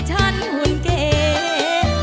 มาฟังอินโทรเพลงที่๑๐